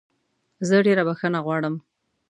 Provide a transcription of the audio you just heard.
زه ډېره بخښنه غواړم.